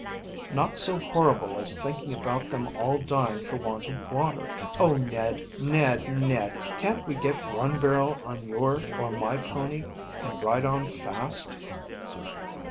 "Not so horrible as thinking about them all dying for want of water. Oh, Ned, Ned, Ned, can't we get one barrel on your or my pony and ride on fast?"